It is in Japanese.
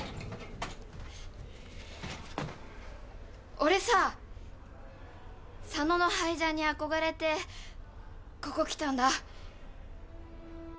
俺さ佐野のハイジャンに憧れてここ来たんだ。